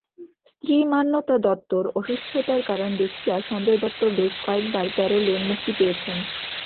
স্ত্রী মান্যতা দত্তর অসুস্থতার কারণ দেখিয়ে সঞ্জয় দত্ত বেশ কয়েকবার প্যারোলে মুক্তি পেয়েছেন।